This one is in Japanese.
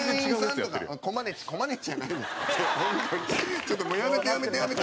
ちょっとやめて、やめて、やめて！